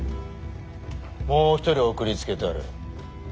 もう一人送りつけたる。